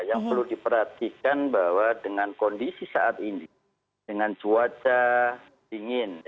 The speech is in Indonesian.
yang perlu diperhatikan bahwa dengan kondisi saat ini dengan cuaca dingin